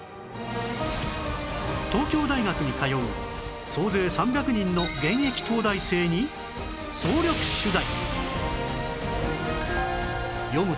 東京大学に通う総勢３００人の現役東大生に総力取材！